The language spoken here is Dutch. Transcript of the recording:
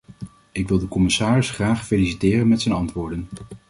Ik wil de commissaris graag feliciteren met zijn antwoorden.